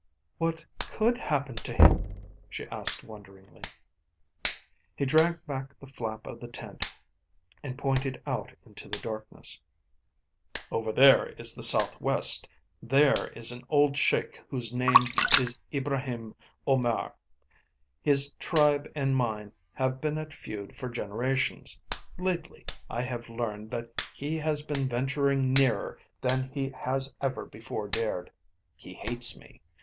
"What could happen to him?" she asked wonderingly. He dragged back the flap of the tent and pointed out into the darkness. "Over there in the south west, there is an old Sheik whose name is Ibraheim Omair. His tribe and mine have been at feud for generations. Lately I have learned that he has been venturing nearer than he has ever before dared. He hates me.